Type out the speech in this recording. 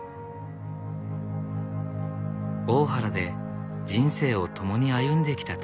大原で人生を共に歩んできた正さん。